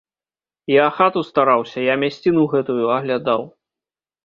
Я хату стараўся, я мясціну гэтую аглядаў!